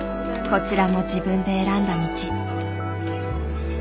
こちらも自分で選んだ道。